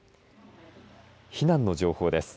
避難の情報です。